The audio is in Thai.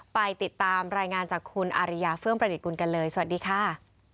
ไปติดตามรายงานจากคุณอาริยาเฟื่องประดิษฐกุลกันเลยสวัสดีค่ะ